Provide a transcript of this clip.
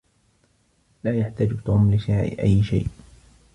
لا يحتاج توم لشراء أي شيء.